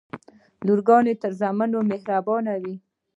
لوڼي تر زامنو مهربانه وي.